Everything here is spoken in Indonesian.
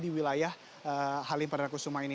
di wilayah halim perdana kusuma ini